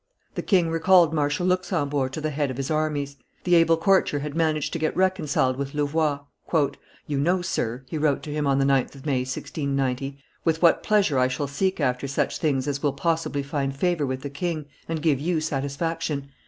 The king recalled Marshal Luxembourg to the head of his armies. The able courtier had managed to get reconciled with Louvois. "You know, sir," he wrote to him on the 9th of May, 1690, "with what pleasure I shall seek after such things as will possibly find favor with the king and give you satisfaction.